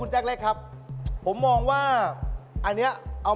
ใช่พี่